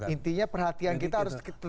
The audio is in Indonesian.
intinya perhatian kita harus tetap kita tujukan